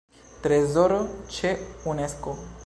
Trezoro ĉe Unesko.